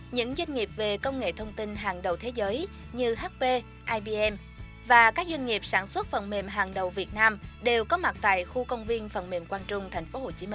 những doanh nghiệp về công nghệ thông tin hàng đầu thế giới như hp ibm và các doanh nghiệp sản xuất phần mềm hàng đầu việt nam đều có mặt tại khu công viên phần mềm quang trung tp hcm